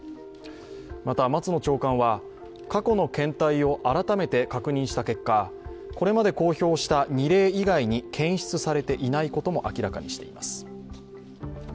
また、松野長官は過去の検体を改めて確認した結果、これまで公表した２例以外に検出されていないことも明らかにしています。